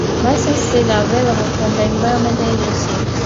Licences are available from the Environment Agency.